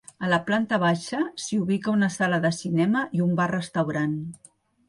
A la planta baixa s'hi ubica una sala de cinema i un bar-restaurant.